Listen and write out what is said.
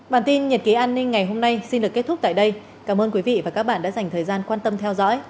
bản tin nhật ký an ninh ngày hôm nay